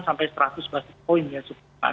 sampai seratus basis point ya suku bunga